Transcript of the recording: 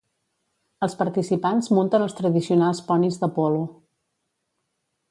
Els participants munten els tradicionals ponis de polo.